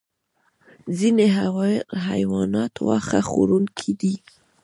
ځینې حیوانات واښه خوړونکي دي